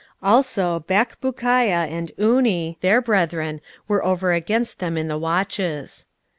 16:012:009 Also Bakbukiah and Unni, their brethren, were over against them in the watches.